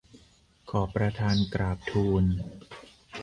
ขอประธานกราบทูล